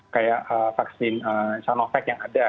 kayak vaksin sinovac yang ada